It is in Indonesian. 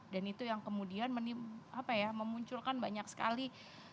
dan itu yang kemudian memunculkan banyak sekali